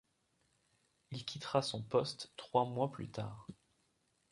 Il quittera son poste trois mois plus tard.